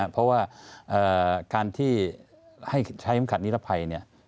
เพราะว่าการที่ให้ใช้คำขัดนิรภัย